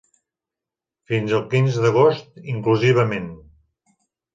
Fins el quinze d'agost inclusivament.